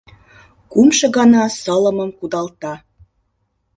Кумшо гана сылымым кудалта